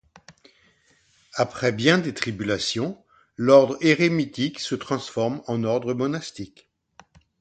Après bien des tribulations, l'ordre érémitique se transforme en ordre monastique.